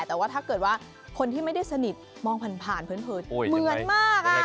แต่ว่าถ้าเกิดว่าคนที่ไม่ได้สนิทมองผ่านเผินเหมือนมาก